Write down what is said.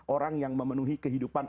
orang yang memenuhi kehidupan